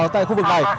tại khu vực này